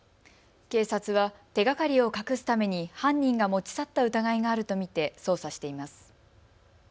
警察は手がかりを隠すために犯人が持ち去った疑いがあると見て捜査しています。